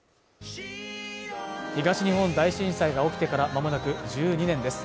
東日本大震災が起きてからまもなく１２年です。